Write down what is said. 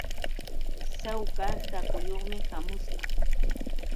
Sawka saakuyuqmi śhamusqa.